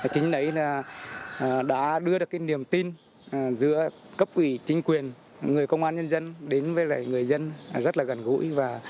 chính đấy đã đưa được niềm tin giữa cấp quỷ chính quyền người công an nhân dân đến với người dân rất là gần gũi